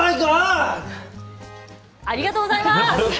ありがとうございます。